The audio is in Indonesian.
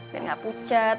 biar gak pucat